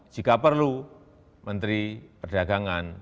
jika perlu menteri perdagangan